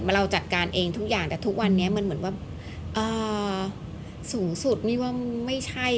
เราจัดการเองทุกอย่างแต่ทุกวันนี้มันเหมือนว่าสูงสุดนี่ว่าไม่ใช่